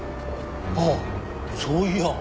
ああそういやあ。